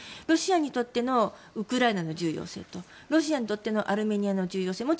ロシアにとってのウクライナの重要性とロシアにとってのアルメニアの重要性